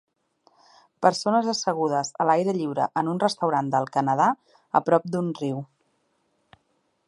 Persones assegudes a l'aire lliure en un restaurant del Canadà a prop d'un riu.